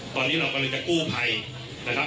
ตอนนี้เรากำลังจะกู้ภัยนะครับ